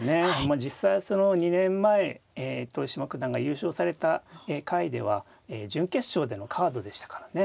実際２年前豊島九段が優勝された回では準決勝でのカードでしたからね。